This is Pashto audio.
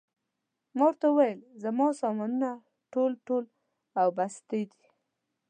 ما ورته وویل: زما سامانونه ټول، ټول او بستې دي.